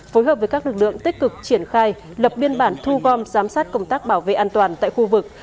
phối hợp với các lực lượng tích cực triển khai lập biên bản thu gom giám sát công tác bảo vệ an toàn tại khu vực